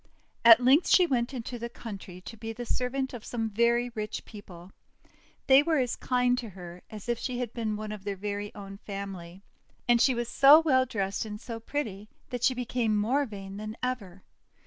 At length she went into the country to be the servant of some very rich people. They were as kind to her as if she had been one of their own family. And she was so well dressed and so pretty that she became more vain than ever.